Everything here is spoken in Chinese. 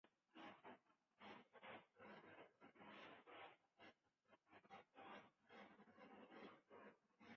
福尔斯卡拉马斯是位于美国加利福尼亚州德尔诺特县的一个非建制地区。